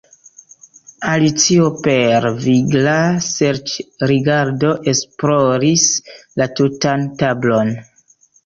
Alicio per vigla serĉrigardo esploris la tutan tablon.